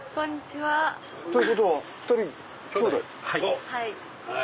はい。